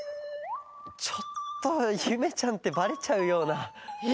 ちょっとゆめちゃんってバレちゃうような。え！？